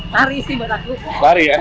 lari sih buat aku lari ya